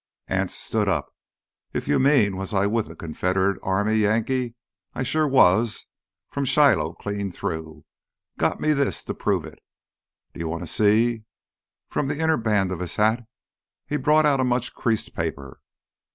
Anse stood up. "If you mean was I with th' Confederate army, Yankee—I sure was, from Shiloh clean through. Got me this to prove it. Do you want to see?" From the inner band of his hat he brought out a much creased paper.